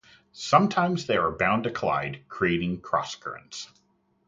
Sometimes they are bound to collide, creating cross currents.